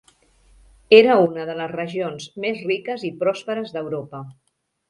Era una de les regions més riques i pròsperes d'Europa.